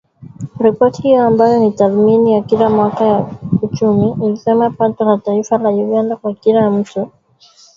Ripoti hiyo, ambayo ni tathmini ya kila mwaka ya uchumi, ilisema pato la taifa la Uganda kwa kila mtu lilifikia takriban dola mia